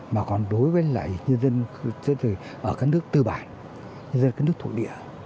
mà còn đối với lại nhân dân ở các nước tư bản nhân dân ở các nước thuộc địa